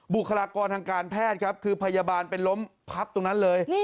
บุคลากรทางการแพทย์ครับคือพยาบาลไปล้มพับตรงนั้นเลย